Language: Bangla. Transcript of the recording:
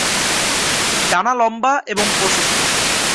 ডানা লম্বা এবং প্রশস্ত।